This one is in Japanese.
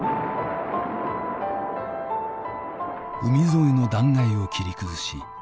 海沿いの断崖を切り崩し